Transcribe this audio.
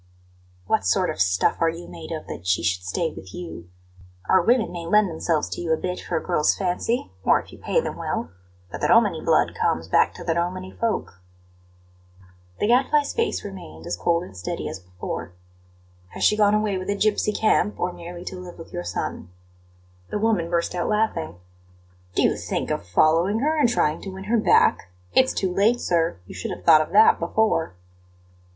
"What sort of stuff are you made of, that she should stay with you? Our women may lend themselves to you a bit for a girl's fancy, or if you pay them well; but the Romany blood comes back to the Romany folk." The Gadfly's face remained as cold and steady as before. "Has she gone away with a gipsy camp, or merely to live with your son?" The woman burst out laughing. "Do you think of following her and trying to win her back? It's too late, sir; you should have thought of that before!"